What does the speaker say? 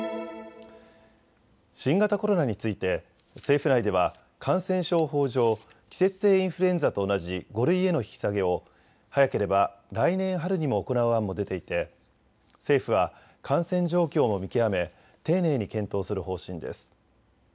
新型コロナについて政府内では感染症法上、季節性インフルエンザと同じ５類への引き下げを早ければ来年春にも行う案も出ていて政府は感染状況も見極め丁寧に検討する方針です。